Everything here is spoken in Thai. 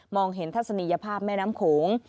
เห็นทัศนียภาพแม่น้ำโขง